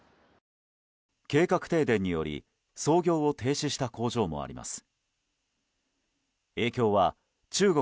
計画停電により操業を停止した工場もあります。